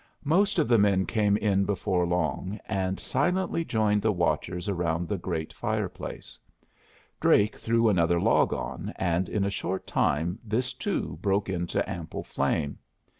Most of the men came in before long, and silently joined the watchers round the treat fireplace. Drake threw another log on, and in a short time this, too, broke into ample flame.